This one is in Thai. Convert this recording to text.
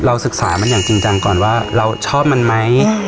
ศึกษามันอย่างจริงจังก่อนว่าเราชอบมันไหม